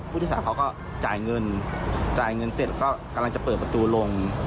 ผู้โดยสารเขาก็จ่ายเงินจ่ายเงินเสร็จก็กำลังจะเปิดประตูลง